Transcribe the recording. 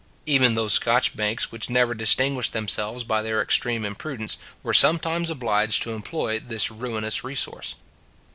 Even those Scotch banks which never distinguished themselves by their extreme imprudence, were sometimes obliged to employ this ruinous resource.